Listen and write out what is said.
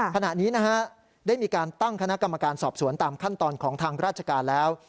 ขณะนี้นะฮะได้มีการตั้งคณะกรรมการสอบสวนตามขั้นตอนของทางราชการแล้ว